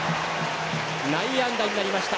内野安打になりました。